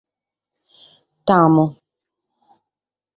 T’amo!